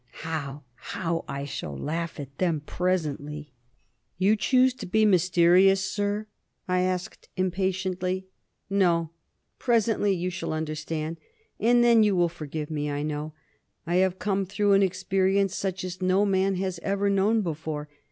How how I shall laugh at them, presently!" "You choose to be mysterious, sir?" I asked impatiently. "No. Presently you shall understand, and then you will forgive me, I know. I have come through an experience such as no man has ever known before.